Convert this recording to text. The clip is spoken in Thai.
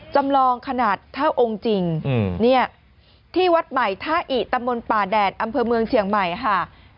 จำลองขนาดเท่าองค์จริงในวัดใหม่ทะอิตรรรฟมนตร์ป่าแดดอำเภอเมืองเชียงใหม่ค่ะ